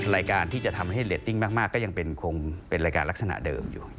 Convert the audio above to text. รายการที่จะทำให้เรตติ้งมากก็ยังคงเป็นรายการลักษณะเดิมอยู่